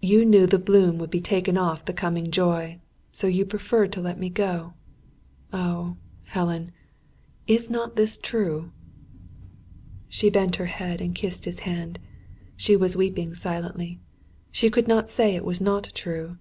You knew the bloom would be taken off the coming joy, so you preferred to let me go. Oh, Helen, is not this true?" She bent her head and kissed his hand. She was weeping silently. She could not say it was not true.